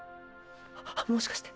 もしかして。